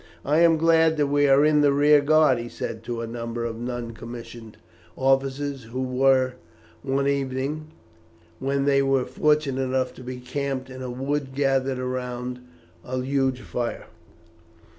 "I am glad that we are in the rear guard," he said to a number of non commissioned officers who were one evening, when they were fortunate enough to be camped in a wood, gathered round a huge fire.